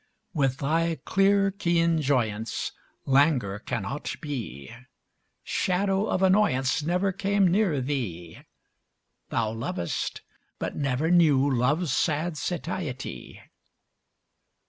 With thy clear keen joyance Languor cannot be: Shadow of annoyance Never came near thee: Thou lovest, but ne'er knew love's sad satiety.